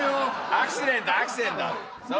アクシデントアクシデント。